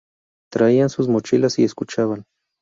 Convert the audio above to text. Traían sus mochilas y escuchaban.